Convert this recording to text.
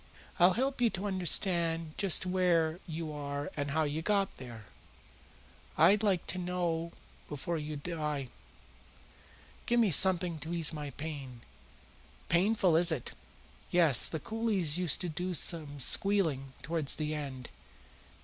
I'll help you to understand just where you are and how you got there. I'd like you to know before you die." "Give me something to ease my pain." "Painful, is it? Yes, the coolies used to do some squealing towards the end.